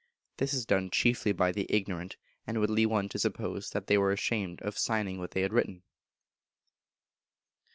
This is done chiefly by the ignorant, and would lead one to suppose that they were ashamed of signing what they had written.